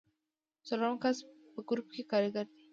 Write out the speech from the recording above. څلورم کس په ګروپ کې کاریګر دی.